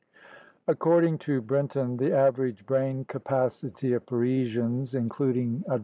According to Brinton^ the average brain capacity of Parisians, including ' D.